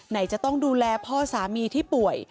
ไหนจะต้องดูแลพ่อสามีที่ป่วย